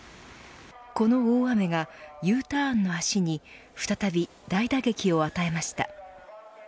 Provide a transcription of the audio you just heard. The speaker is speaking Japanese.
この大雨が、Ｕターンの足に再び、大打撃を与えました。